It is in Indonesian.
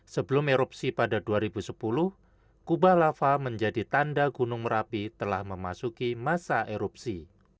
sebelum erupsi pada dua ribu sepuluh kubah lava menjadi tanda gunung merapi telah memasuki masa erupsi